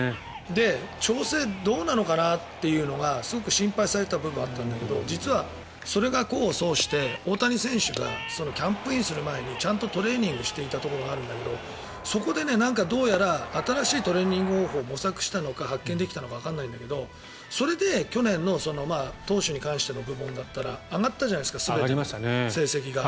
調整、どうなのかなっていうのがすごく心配されていた部分はあったんだけど実はそれが功を奏して大谷選手がキャンプインする前にちゃんとトレーニングしていたところがあるんだけどそこでどうやら新しいトレーニング方法を模索したのか発見できたのかわからないんだけどそれで去年の投手に関しての部分だったら上がったじゃないですか全ての成績が。